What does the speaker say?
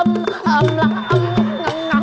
มีคนมีคน